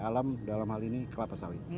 alam dalam hal ini kelapa sawit